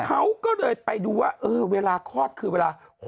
เขาก็เลยไปดูว่าเวลาคลอดคือเวลา